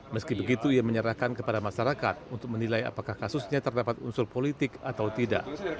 meski begitu ia menyerahkan kepada masyarakat untuk menilai apakah kasusnya terdapat unsur politik atau tidak